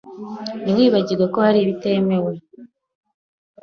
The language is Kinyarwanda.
Ntiwibagirwe ko hari ibitemewe.